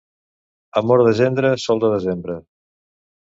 Amor de gendre, sol de desembre.